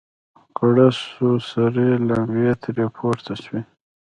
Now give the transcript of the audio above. ګړز سو سرې لمبې ترې پورته سوې.